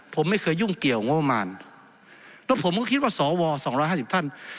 ผมไม่เคยยุ่งเกี่ยวบมานแล้วผมก็คิดว่าสว๒๕๐ท่าน